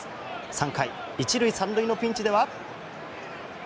３回、１塁３塁のピンチでは。